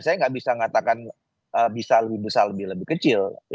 saya gak bisa ngatakan bisa lebih besar lebih kecil